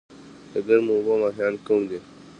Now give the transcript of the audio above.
د ګرمو اوبو ماهیان کوم دي؟